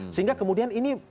sehingga kemudian ini